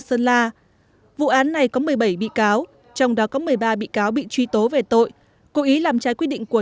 sơn la vụ án này có một mươi bảy bị cáo trong đó có một mươi ba bị cáo bị truy tố về tội cố ý làm trái quy định của